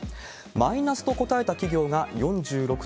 マイナスと答えた企業が４６．７％。